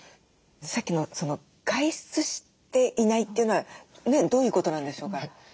さっきの外出していないっていうのはどういうことなんでしょうか？